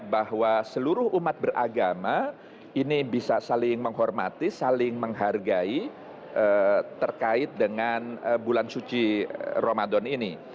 bahwa seluruh umat beragama ini bisa saling menghormati saling menghargai terkait dengan bulan suci ramadan ini